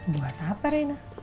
buat apa rena